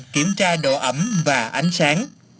kiểm tra độ ẩm và ánh sáng